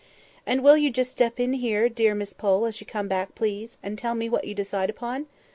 "And will you just step in here, dear Miss Pole, as you come back, please, and tell me what you decide upon?